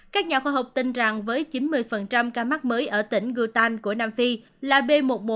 các nhà khoa học tin rằng với chín mươi ca mắc mới ở tỉnh gutan của nam phi là b một một năm trăm hai mươi chín